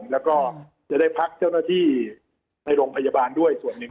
แล้วก็จะได้พักเจ้าหน้าที่ในโรงพยาบาลด้วยส่วนหนึ่ง